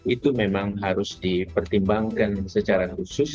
itu memang harus dipertimbangkan secara khusus